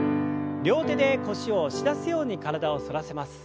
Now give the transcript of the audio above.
両手で腰を押し出すように体を反らせます。